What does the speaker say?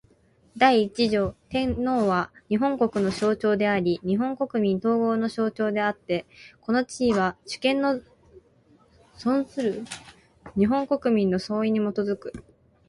第一条天皇は、日本国の象徴であり日本国民統合の象徴であつて、この地位は、主権の存する日本国民の総意に基く。